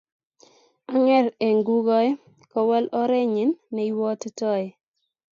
ang'er eng kukoe kowal orenyin neibwotitoi